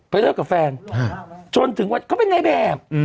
เลิกกับแฟนจนถึงวันเขาเป็นในแบบ